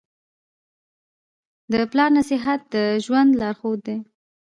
د پلار نصیحت د ژوند لارښود دی.